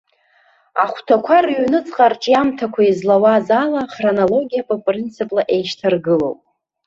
Ахәҭақәа рыҩнуҵҟа арҿиамҭақәа излауаз ала хронологиатә принципла еишьҭаргылоуп.